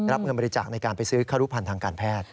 รับเงินบริจาคในการไปซื้อครุพันธ์ทางการแพทย์